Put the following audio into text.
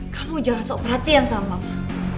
kamu jangan sok perhatian sama mama